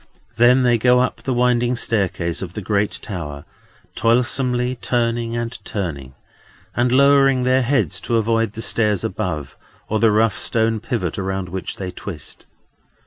Then they go up the winding staircase of the great tower, toilsomely, turning and turning, and lowering their heads to avoid the stairs above, or the rough stone pivot around which they twist.